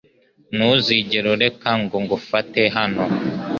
Ntuzigere ureka ngo ngufate hano.